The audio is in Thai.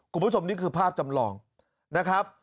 คุณผู้ชมนี่คือภาพจำลองนะครับ